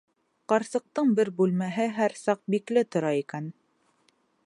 Ҡарсыҡтың бер бүлмәһе һәр саҡ бикле тора икән.